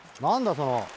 その。